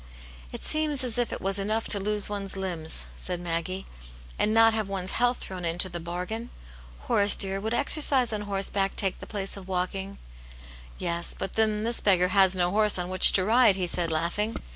" It seems as if it was enough to lose one's limbs," said Maggie, and not have one's health thrown into rhe bargain. Horace, dear, would exercise oa horse back take the place of walking ?"" Yes ; but then this beggar has no horse on which to ride," he said, laughing.